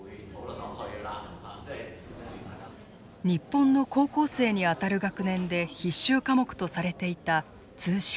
日本の高校生にあたる学年で必修科目とされていた通識。